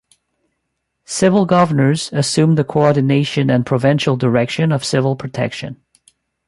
Civil governors assumed the coordination and provincial direction of civil protection.